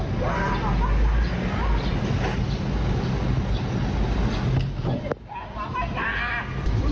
ถอยอีบมีจงท้ายจอได้ก่อน